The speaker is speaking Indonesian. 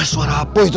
suara apa itu